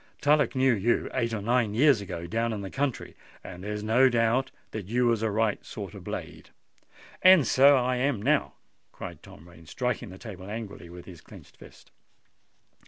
Tullock knew you eight or nine years ago down in the country; and there's no doubt that you was then a right sort of blade." "And so I am now!" cried Tom Rain, striking the table angrily with his clenched fist.